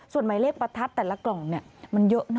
ส่วนหมายเลขประทัดแต่ละกล่องมันเยอะนะ